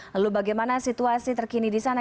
lalu bagaimana situasi terkini di sana